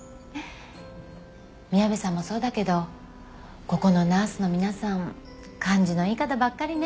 宮部さんもそうだけどここのナースの皆さん感じのいい方ばっかりね。